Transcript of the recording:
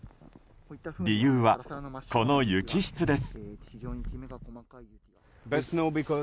理由はこの雪質です。